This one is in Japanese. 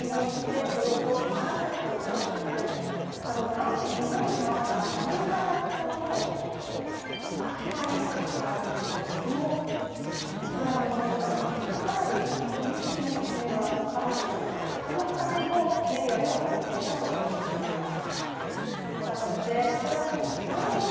かつて日本にもあったアメリカ発祥のアクセサリーショップがあるんですがそのブランドのものということでかなり庶民的な一面があるということでこの比較もメディアではされていたということでした。